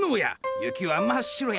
雪は真っ白や。